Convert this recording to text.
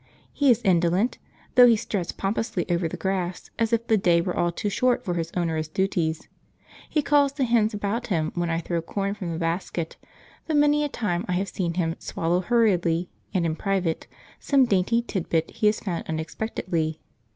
He is indolent, though he struts pompously over the grass as if the day were all too short for his onerous duties. He calls the hens about him when I throw corn from the basket, but many a time I have seen him swallow hurriedly, and in private, some dainty titbit he has found unexpectedly.